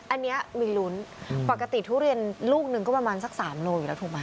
อันนี้มีลุ้นปกติทุเรียนลูกหนึ่งก็ประมาณสัก๓โลอยู่แล้วถูกไหม